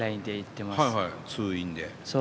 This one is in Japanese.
通院で。